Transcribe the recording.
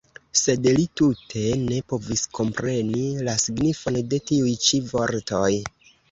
Sed li tute ne povis kompreni la signifon de tiuj-ĉi vortoj.